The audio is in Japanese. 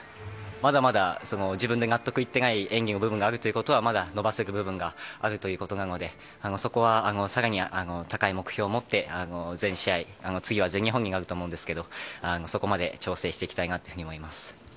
まだまだ自分で納得いっていない演技があるということはまだ伸ばせる部分があるということなのでそこは更に高い目標を持って次は全日本になると思いますがそこまで調整していきたいなと思います。